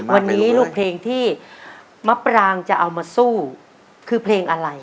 วันนี้ลูกเพลงที่มะปรางจะเอามาสู้คือเพลงอะไร